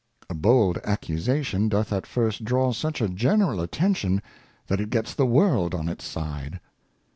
A bold Accusation doth at first draw such a general Attention, that it gets the World on its side.